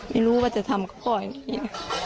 ไม่รู้ว่าจะทำกับพ่ออย่างนี้